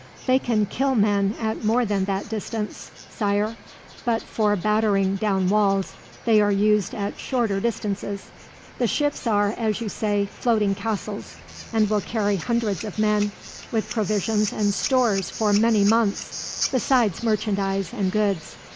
"They can kill men at more than that distance, Sire, but for battering down walls they are used at shorter distances. The ships are, as you say, floating castles, and will carry hundreds of men, with provisions and stores for many months, besides merchandise and goods.